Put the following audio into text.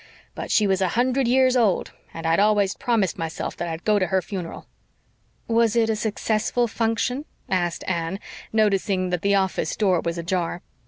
But she was a hundred years old, and I'd always promised myself that I'd go to her funeral." "Was it a successful function?" asked Anne, noticing that the office door was ajar.